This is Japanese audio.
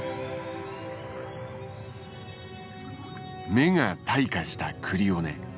目が退化したクリオネ。